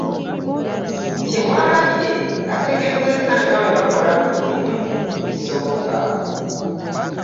Kyewalabye ategeezezza nga bwe bakola buli kimu ekisoboka